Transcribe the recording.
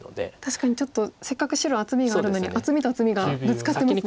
確かにちょっとせっかく白厚みがあるのに厚みと厚みがぶつかってますね。